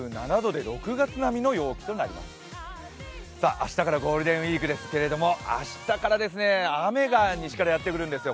明日からゴールデンウイークですけれども明日から雨が西からやって来るんですよ。